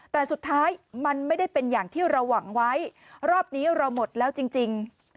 แต่สุดท้ายมันไม่ได้เป็นอย่างที่เราหวังไว้รอบนี้เราหมดแล้วจริง